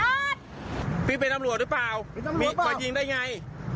พี่เป็นนำรวจหรือเปล่าเป็นนำรวจหรือเปล่าพี่มายิงได้ไง